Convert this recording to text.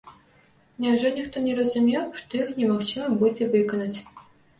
Няўжо ніхто не разумеў, што іх немагчыма будзе выканаць?